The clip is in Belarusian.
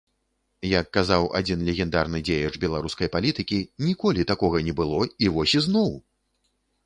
Як казаў адзін легендарны дзеяч беларускай палітыкі, ніколі такога не было, і вось ізноў!